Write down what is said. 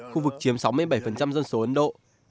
khu vực chiếm sáu mươi bảy dân số ấn độ